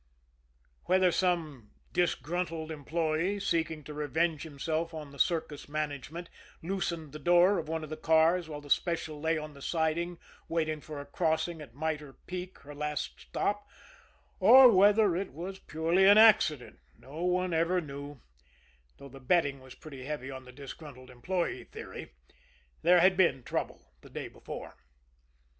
Whether some disgruntled employee, seeking to revenge himself on the circus management, loosened the door of one of the cars while the Special lay on the siding waiting for a crossing at Mitre Peak, her last stop, or whether it was purely an accident, no one ever knew though the betting was pretty heavy on the disgruntled employee theory there had been trouble the day before.